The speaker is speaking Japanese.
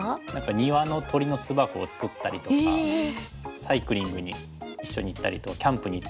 庭の鳥の巣箱を作ったりとかサイクリングに一緒に行ったりキャンプに行ったりとか。